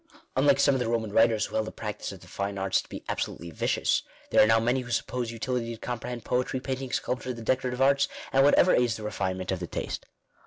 Unlike some of the Boman writers who held the practice of the fine arts to be absolutely vicious, there are now many who suppose utility to comprehend poetry, painting, soulpture, the decorative arts, and whatever aids the refinement of the taste.